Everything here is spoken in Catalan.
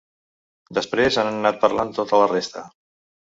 Després han anat parlant tota la resta.